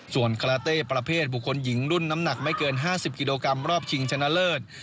ส่วนคาราเต้ประเภทบุคคลหญิงรุ่นน้ำหนักไม่เกิน๕๐กิโลกรัมรอบชิงชนะเลิศ